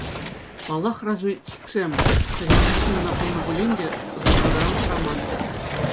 Паллах, разведчиксем — хӑйсем виҫҫӗн кӑна пулнӑ пулин те — засадӑран хӑраман.